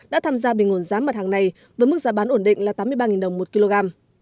đã tham gia bình nguồn giá mặt hàng này với mức giá bán ổn định là tám mươi ba đồng một kg